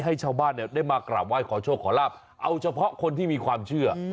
ให้ชาวบ้านเนี่ยได้มากราบไหว้ขอโชคขอลาบเอาเฉพาะคนที่มีความเชื่อ